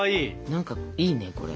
何かいいねこれ。